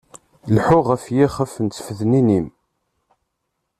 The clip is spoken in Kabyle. Lḥu ɣef yixef n tfednin-im.